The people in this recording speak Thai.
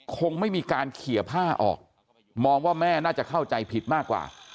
คงไม่มีการเขียผ้าออกมองว่าแม่น่าจะเข้าใจผิดมากกว่า